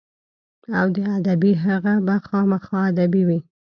او د ادبي هغه به خامخا ادبي وي.